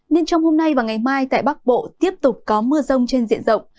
nên trong hôm nay và ngày mai tại bắc bộ tiếp tục có mưa rông trên diện rộng